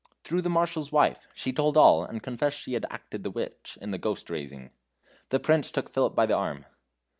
"Through the Marshal's wife. She told all, and confessed she had acted the witch in the ghost raising." The Prince took Philip by the arm.